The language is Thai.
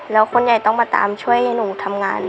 แล้วคนใหญ่ต้องมาตามช่วยให้หนูทำงาน